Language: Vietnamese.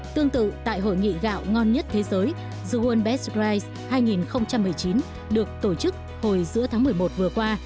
tương tự tại hội nghị gạo ngon nhất thế giới the world besrise hai nghìn một mươi chín được tổ chức hồi giữa tháng một mươi một vừa qua